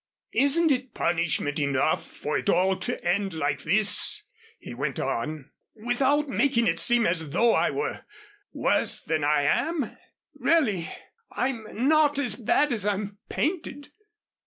"Isn't it punishment enough for it all to end like this," he went on, "without making it seem as though I were worse than I am? Really, I'm not as bad as I'm painted."